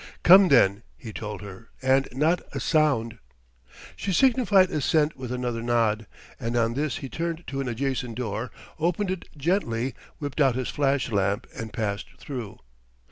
"Come, then," he told her "and not a sound " She signified assent with another nod; and on this he turned to an adjacent door, opened it gently, whipped out his flash lamp, and passed through.